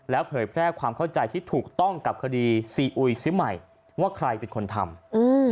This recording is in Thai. เผยแพร่ความเข้าใจที่ถูกต้องกับคดีซีอุยซิใหม่ว่าใครเป็นคนทำอืม